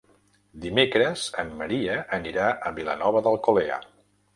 Dimecres en Maria anirà a Vilanova d'Alcolea.